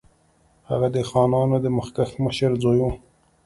هغه د خانانو د مخکښ مشر زوی وو.